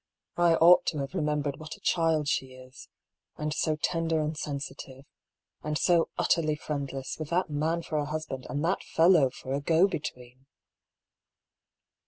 " I ought to have remembered what a child she is — and so tender and sensitive — and so utterly friendless, with that man for a husband, and that fellow for a go between